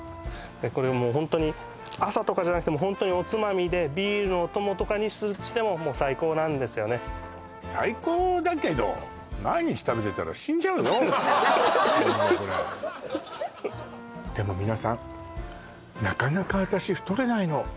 これもうホントに朝とかじゃなくてもホントにおつまみでビールのお供とかにしてももう最高なんですよね最高だけどでも皆さん「なかなか私太れないの」